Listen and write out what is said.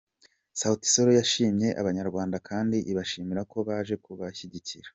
Sauti Sol yashimye Abanyarwanda kandi ibashimira ko baje kubashyigikira.